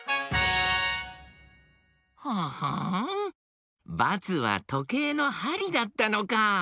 ほほんバツはとけいのはりだったのか。